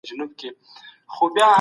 ځوان پيروان د فکري بدلون غوښتونکي دي.